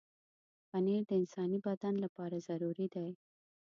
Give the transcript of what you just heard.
پنېر د انساني بدن لپاره ضروري دی.